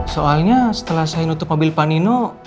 soalnya setelah saya nutup mobil panino